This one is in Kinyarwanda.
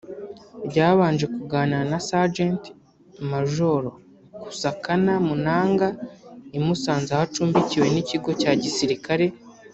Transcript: ryabanje kuganira na Sergent majoro Kusakana Munanga imusanze aho acumbikiwe n’ikigo cya gisirikare